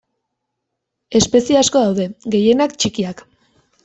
Espezie asko daude, gehienak txikiak.